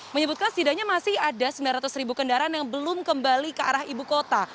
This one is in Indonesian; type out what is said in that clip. menyebutkan setidaknya masih ada sembilan ratus ribu kendaraan yang belum kembali ke arah ibu kota